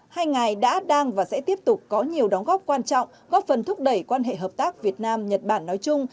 hai ngài đã đang và sẽ tiếp tục có nhiều đóng góp quan trọng góp phần thúc đẩy quan hệ hợp tác việt nam nhật bản nói chung